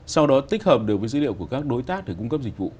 sau đó tích hợp được với dữ liệu của các đối tác để cung cấp dịch vụ